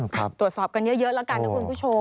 ตรวจสอบกันเยอะแล้วกันนะคุณผู้ชม